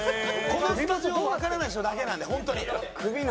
このスタジオわからない人だけなんで本当に。